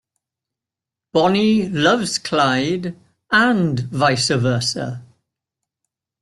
Bonnie loves Clyde and vice versa.